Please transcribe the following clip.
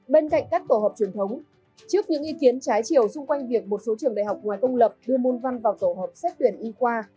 bên cạnh các tổ hợp truyền thống trước những ý kiến trái chiều xung quanh việc một số trường đại học ngoài công lập đưa môn văn vào tổ hợp xét tuyển y khoa